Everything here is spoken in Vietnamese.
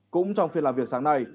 cũng trong phiên làm việc sáng nay